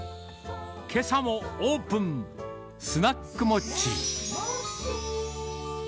けさもオープン、スナックモッチー。